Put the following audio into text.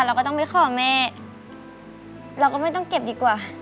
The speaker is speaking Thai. เราก็ไม่ต้องเก็บดีกว่า